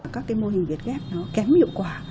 các cái mô hình việt ghép nó kém hiệu quả